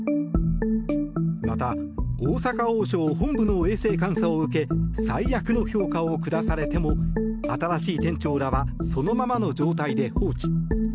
また大阪王将本部の衛生監査を受け最悪の評価を下されても新しい店長らはそのままの状態で放置。